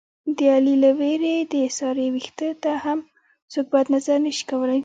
د علي له وېرې د سارې وېښته ته هم څوک بد نظر نشي کولی.